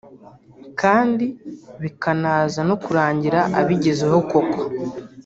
kandi bikanaza no kurangira abigezeho koko